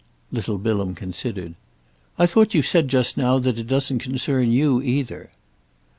Little Bilham considered. "I thought you said just now that it doesn't concern you either."